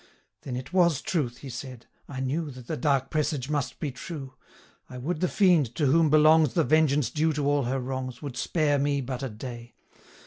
'Then it was truth,' he said 'I knew 950 That the dark presage must be true. I would the Fiend, to whom belongs The vengeance due to all her wrongs, Would spare me but a day!